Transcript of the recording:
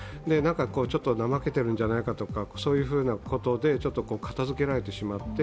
ちょっとなまけてるんじゃないかということで片づけられてしまって。